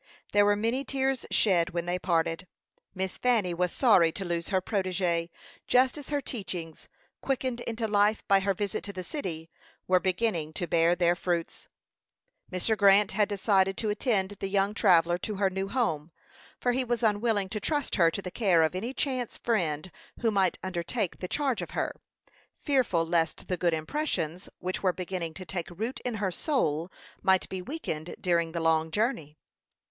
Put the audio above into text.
There were many tears shed when they parted. Miss Fanny was sorry to lose her protégée just as her teachings, quickened into life by her visit to the city, were beginning to bear their fruits. Mr. Grant had decided to attend the young traveller to her new home, for he was unwilling to trust her to the care of any chance friend who might undertake the charge of her, fearful lest the good impressions which were beginning to take root in her soul might be weakened during the long journey.